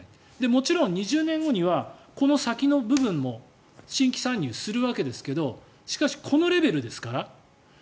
もちろん、２０年後にはこの先の部分も新規参入するわけですけどしかし、このレベルですから。